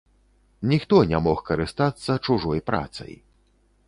Ніхто не мог карыстацца чужой працай.